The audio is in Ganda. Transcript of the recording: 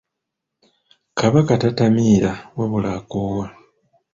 Kabaka tatamiira wabula akoowa.